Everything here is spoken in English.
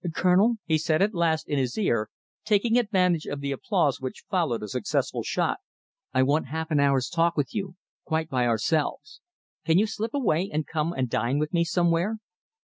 "Colonel," he said at last in his ear, taking advantage of the applause which followed a successful shot, "I want half an hour's talk with you, quite by ourselves. Can you slip away and come and dine with me somewhere?"